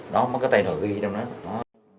đó múc cái tên họ ghi trong đó